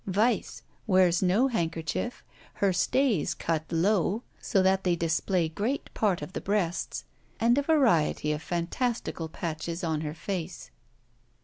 Vice wears no handkerchief; her stays cut low, so that they display great part of the breasts; and a variety of fantastical patches on her face.